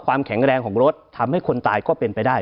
ความแข็งแรงของรถทำให้คนตายก็เป็นไปได้